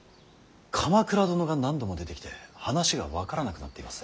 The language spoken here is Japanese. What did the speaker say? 「鎌倉殿」が何度も出てきて話が分からなくなっています。